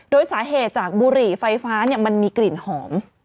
โดยสาเหตุจากบุหรี่ไฟฟ้ามันมีกลิ่นหอม